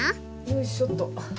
よいしょっと。